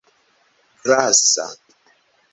grasa